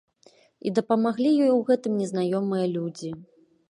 І дапамаглі ёй у гэтым незнаёмыя людзі.